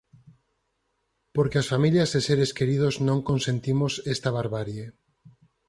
Porque as familias e seres queridos non consentimos esta barbarie.